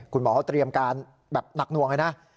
คุณหมอเขาเตรียมการแบบหนักหน่วงเลยนะ